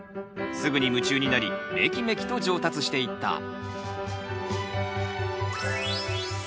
すぐに夢中になりめきめきと上達していった。